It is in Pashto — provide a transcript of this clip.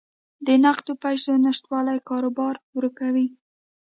د نقدو پیسو نشتوالی کاروبار ورو کوي.